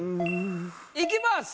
いきます。